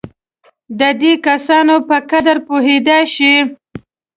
د دې کسانو په قدر پوهېدای شي.